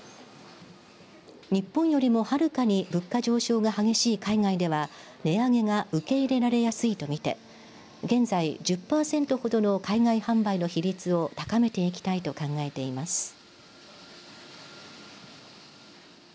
日本よりもはるかに物価上昇が激しい海外では値上げが受け入れられやすいと見て、現在１０％ほどの海外販売の比率を高めていきたいと考えています。